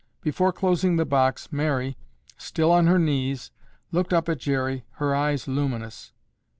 Before closing the box, Mary, still on her knees, looked up at Jerry, her eyes luminous.